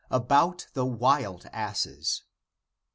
about the wild asses.